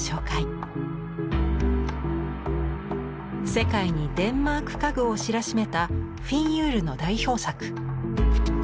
世界にデンマーク家具を知らしめたフィン・ユールの代表作。